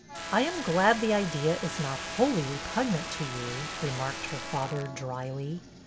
" I am glad the idea is not wholly repug nant to you," remarked her father, dryly.